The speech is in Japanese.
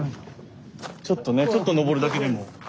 ちょっとねちょっと上るだけでも。